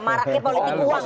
marahnya politik uang ya